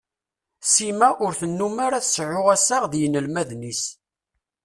Sima ur tennum ara tseɛu assaɣ d yinelmaden-is.